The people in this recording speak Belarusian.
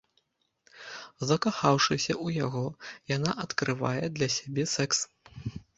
Закахаўшыся ў яго, яна адкрывае для сябе секс.